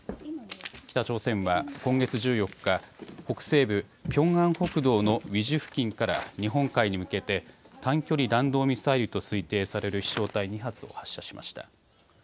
北朝鮮は今月１４日、北西部ピョンアン北道のウィジュ付近から日本海に向けて短距離弾道ミサイルと推定される飛しょう体２発を発射しました。